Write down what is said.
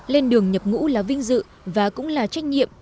lên đường nhập ngũ là vinh dự và cũng là trách nhiệm